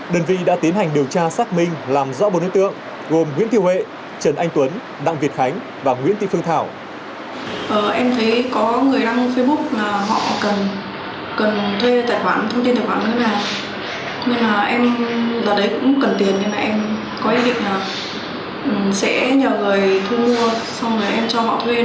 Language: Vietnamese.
đơn vị đã tiến hành điều tra xác minh làm rõ bốn đối tượng gồm nguyễn tiêu huệ trần anh tuấn đặng việt khánh và nguyễn tị phương thảo